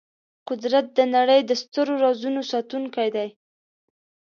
قدرت د نړۍ د سترو رازونو ساتونکی دی.